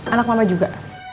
anak mama juga